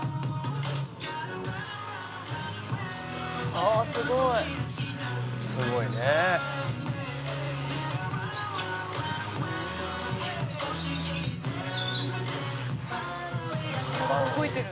「ああすごい」「すごいね」「動いてる」